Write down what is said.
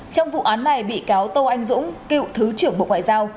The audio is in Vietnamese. trong vụ án này bị cáo tô anh dũng cựu thứ trưởng bộ ngoại giao